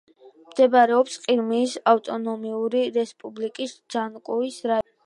მდებარეობს ყირიმის ავტონომიური რესპუბლიკის ჯანკოის რაიონში.